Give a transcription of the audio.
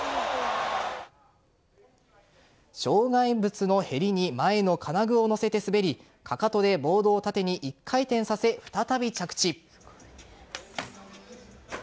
障害物のへりに前の金具をのせて滑りかかとでボードを縦に１回転させ再び着地。